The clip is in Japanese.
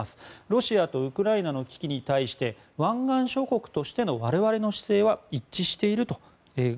ロシアとウクライナの危機に対して湾岸諸国としての我々の姿勢は一致していると。